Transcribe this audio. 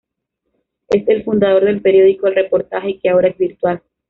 Es el fundador del periódico El Reportaje, que ahora es virtual.